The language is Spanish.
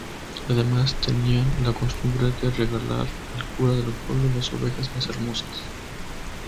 Además, tenían la costumbre de regalar al cura del pueblo las ovejas más hermosas.